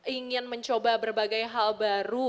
ingin mencoba berbagai hal baru